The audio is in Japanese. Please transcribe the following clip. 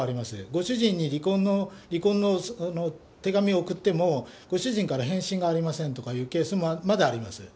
ご主人に離婚の手紙を送っても、ご主人から返信がありませんとかいうケースまであります。